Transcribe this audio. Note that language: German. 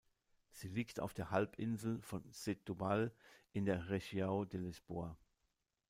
Sie liegt auf der Halbinsel von Setúbal in der Região de Lisboa.